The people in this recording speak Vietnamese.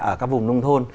ở các vùng nông thôn